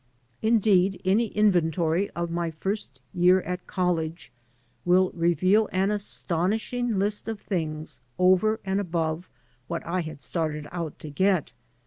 Indeed, any inventory of my first year at college will reveal an astonishing list of things over and above what I had started out to get.